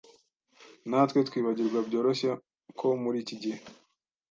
natwe twibagirwa byoroshye ko muri iki gihe